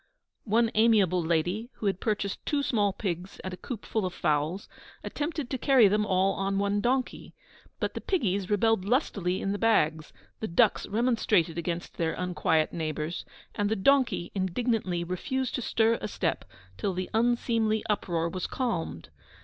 One amiable lady, who had purchased two small pigs and a coop full of fowls, attempted to carry them all on one donkey. But the piggies rebelled lustily in the bags, the ducks remonstrated against their unquiet neighbours, and the donkey indignantly refused to stir a step till the unseemly uproar was calmed.